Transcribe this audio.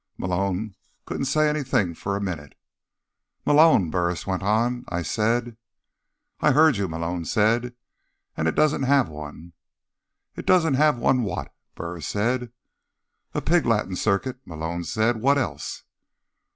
Malone couldn't say anything for a minute. "Malone," Burris went on. "I said—" "I heard you," Malone said. "And it doesn't have one." "It doesn't have one what?" Burris said. "A pig Latin circuit," Malone said. "What else?"